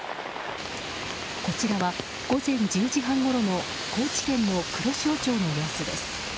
こちらは、午前１０時半ごろの高知県の黒潮町の様子です。